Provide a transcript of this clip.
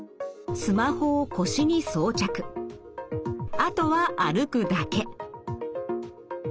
あとは歩くだけ。